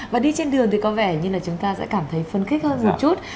và đi trên đường thì có vẻ như là chúng ta sẽ cảm thấy phấn khích hơn một chút